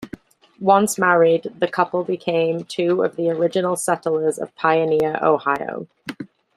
Once married, the couple became two of the original settlers of Pioneer, Ohio.